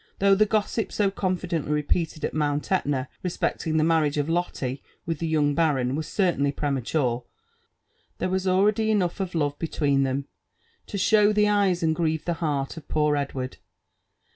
Though the gossip so confideiHly repeated at Mount Etna respecting the marriage of Lotte with the young baron was certainly premature, there was already enough of love between them to ''show the eyes and grieve the heart" of poor Edward, and.